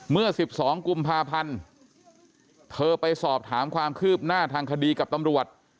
เมื่อ๑๒กุมภาพันธ์เธอไปสอบถามความคืบหน้าทางคดีกับตำรวจ